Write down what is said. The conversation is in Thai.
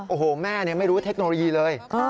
โอ้โหแม่ไม่รู้เทคโนโลยีเลย